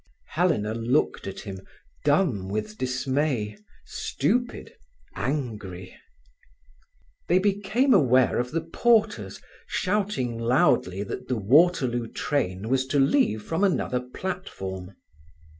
Helena looked at him, dumb with dismay, stupid, angry. They became aware of the porters shouting loudly that the Waterloo train was to leave from another platform.